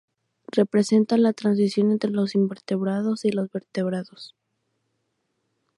Representa la transición entre los invertebrados y los vertebrados.